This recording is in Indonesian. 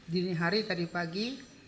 dini hari tadi pagi